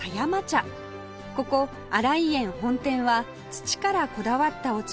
ここ新井園本店は土からこだわったお茶